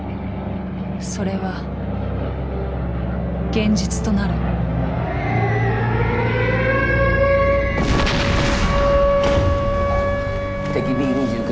それは現実となる敵Ｂ２９